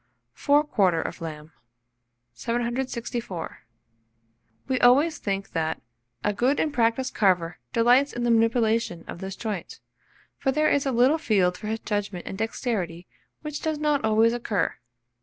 FORE QUARTER OF LAMB. [Illustration: FORE QUARTER OF LAMB.] 764. We always think that a good and practised carver delights in the manipulation of this joint, for there is a little field for his judgment and dexterity which does not always occur.